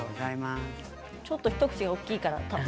ちょっと一口が大きいから。